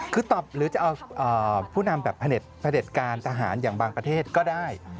คือตอบหรือจะเอาผู้นำแบบพระเด็จการทหารอย่างบางประเทศก็ได้